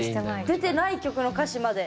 出てない曲の歌詞まで。